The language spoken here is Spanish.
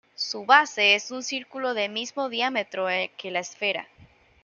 Su base es un círculo del mismo diámetro que la esfera.